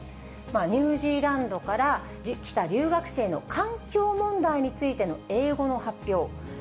ニュージーランドから来た留学生の環境問題についての英語の発表。